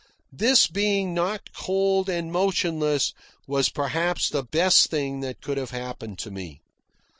This being knocked cold and motionless was perhaps the best thing that could have happened to me.